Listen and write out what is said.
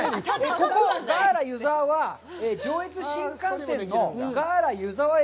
ここガーラ湯沢は、上越新幹線のガーラ湯沢駅